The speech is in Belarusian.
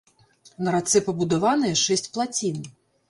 На рацэ пабудаваныя шэсць плацін.